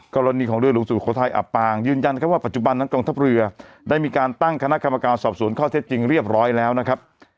กรณีของเรือหลวงสุโขทัยอับปางยืนยันครับว่าปัจจุบันนั้นกองทัพเรือได้มีการตั้งคณะกรรมการสอบสวนข้อเท็จจริงเรียบร้อยแล้วนะครับ